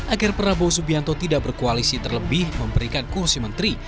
agar prabowo subianto tidak berkoalisi terlebih memberikan kursi menteri